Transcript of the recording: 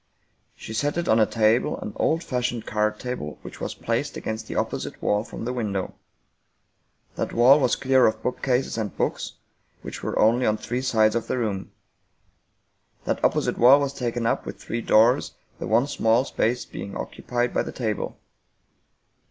She set it on a table, an old fashioned card table which was placed against the opposite wall from the window. That wall was clear of bookcases and books, which were only on three sides of the room. That opposite wall was taken up with three doors, the one small space being occupied by the table.